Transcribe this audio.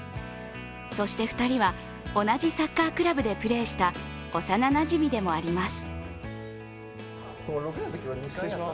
そして２人は、同じサッカークラブでプレーした幼なじみでもあります。